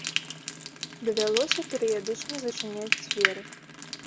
Давялося перыядычна зачыняць дзверы.